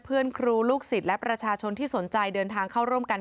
เพื่อนครูลูกศิษย์และประชาชนที่สนใจเดินทางเข้าร่วมกัน